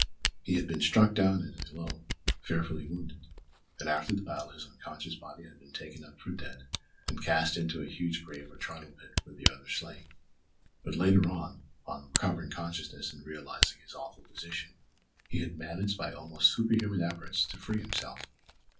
He had been struck down at Eylau, fearfully wounded, and after the battle his unconscious body had been taken up for dead and cast into a huge grave or charnel pit with the other slain; but later, on recovering consciousness and realising his awful position, he had managed by almost superhuman efforts to free himself.